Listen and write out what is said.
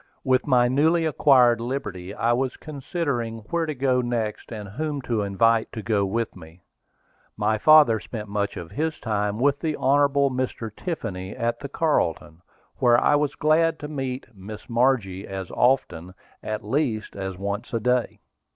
With my newly acquired liberty I was considering where to go next, and whom to invite to go with me. My father spent much of his time with the Hon. Mr. Tiffany, at the Carlton, where I was glad to meet Miss Margie as often, at least, as once a day.